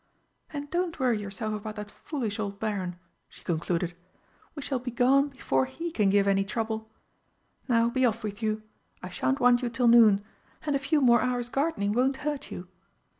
"And don't worry yourself about that foolish old Baron," she concluded. "We shall be gone before he can give any trouble. Now be off with you I shan't want you till noon, and a few more hours' gardening won't hurt you!"